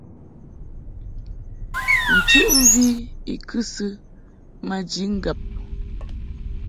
Nchuʼmvi i kɨsɨ maji ŋgab.